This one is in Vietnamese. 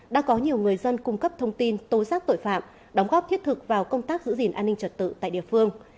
đã có nhiều người dân cung cấp thông tin tố giác tội phạm đóng góp thiết thực vào công tác giữ gìn an ninh trật tự tại địa phương